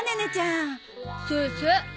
そうそう。